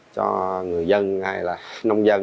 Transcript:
cho người dân hay là nông dân